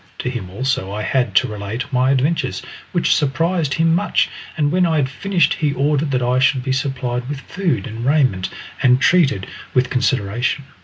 To him also I had to relate my adventures, which surprised him much, and when I had finished he ordered that I should be supplied with food and raiment and treated with consideration.